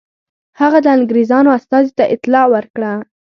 هغه د انګرېزانو استازي ته اطلاع ورکړه.